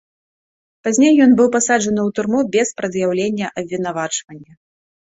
Пазней ён быў пасаджаны ў турму без прад'яўлення абвінавачвання.